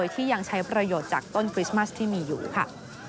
ที่ยังใช้ประโยชน์จากต้นคริสต์มัสที่มีอยู่ค่ะ